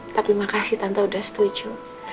tapi makasih tante udah setuju